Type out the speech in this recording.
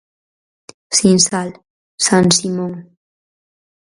Sinsal, San Simón.